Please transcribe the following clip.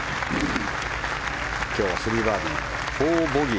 今日は３バーディー、４ボギー。